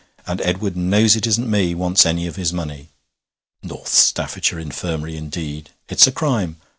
And Edward knows it isn't me wants any of his money. North Staffordshire Infirmary indeed! It's a crime!...